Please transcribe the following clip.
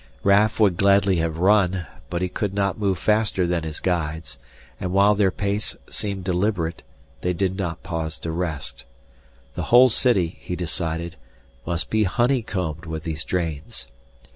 Raf would gladly have run, but he could not move faster than his guides, and while their pace seemed deliberate, they did not pause to rest. The whole city, he decided, must be honeycombed with these drains.